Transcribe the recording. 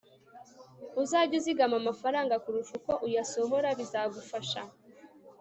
Uzage uzigama amafaranga kurusha uko uyasohora bizagufasha